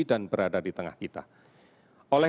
dan propdoes itu dapat metode pengik alligator bisa dibintangkan